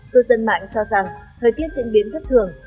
cư dân mạng cho rằng thời tiết diễn biến thất thường